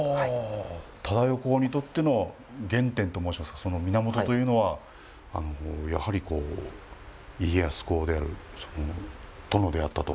忠世公にとっての原点と申しますか、源というのはやはり家康公である殿であったと。